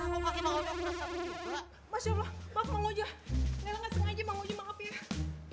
nela langsung aja mawudah maaf ya